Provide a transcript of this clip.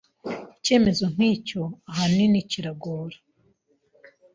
Icyemezo nk'icyo ahanini kiragora